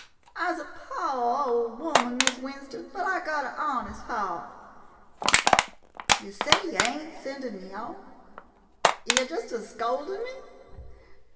I 'se a po' ole woman, Miss Winston, but I got a honest heart. Yo' say yo' ain't sendin' me off— yo' just a scoldin' me?